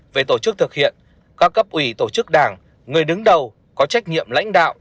về tổ chức thực hiện các cấp ủy tổ chức đảng người đứng đầu có trách nhiệm lãnh đạo